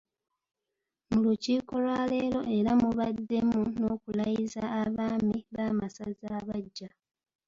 Mu Lukiiko lwaleero era mubaddemu n'okulayiza abaami b'amasaza abaggya.